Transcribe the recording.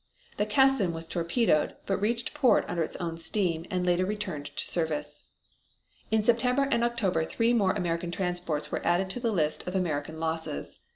The Cassin was torpedoed, but reached port under its own steam and later returned to service. In September and October three more American transports were added to the list of American losses.